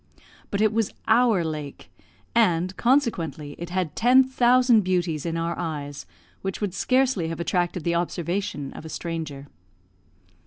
But it was our lake, and, consequently, it had ten thousand beauties in our eyes, which would scarcely have attracted the observation of a stranger.